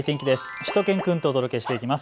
しゅと犬くんとお届けしていきます。